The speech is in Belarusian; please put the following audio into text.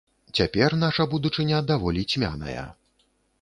Цяпер наша будучыня даволі цьмяная.